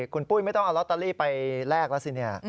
คุณปุ้ยไม่ต้องเอาลอตเตอรี่ไปแลกแล้วสิเนี่ย